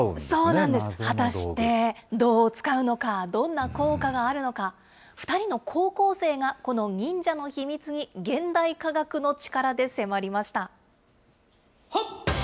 そうなんです、果たしてどう使うのか、どんな効果があるのか、２人の高校生が、この忍者の秘密に、現代科学の力で迫りました。